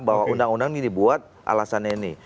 bahwa undang undang ini dibuat alasannya ini